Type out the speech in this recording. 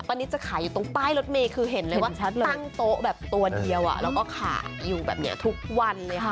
นิดจะขายอยู่ตรงป้ายรถเมย์คือเห็นเลยว่าตั้งโต๊ะแบบตัวเดียวแล้วก็ขายอยู่แบบนี้ทุกวันเลยค่ะ